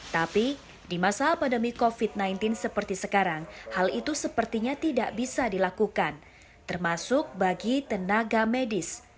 tapi di masa pandemi covid sembilan belas seperti sekarang hal itu sepertinya tidak bisa dilakukan termasuk bagi tenaga medis